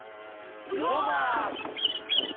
リフォーマーズ！